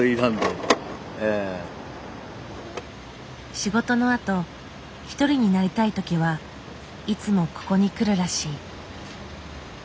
仕事のあと一人になりたい時はいつもここに来るらしい。